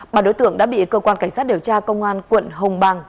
bà đối tượng đã bị cơ quan cảnh sát điều tra công an quận hồng bàng